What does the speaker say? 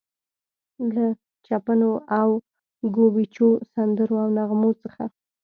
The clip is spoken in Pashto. له چپنو او ګوبیچو، سندرو او نغمو څخه.